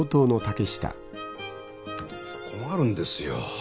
困るんですよ。